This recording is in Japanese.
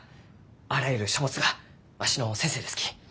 あらゆる書物がわしの先生ですき。